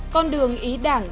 con đường ý đảng